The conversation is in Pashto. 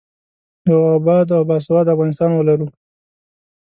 یو اباد او باسواده افغانستان ولرو.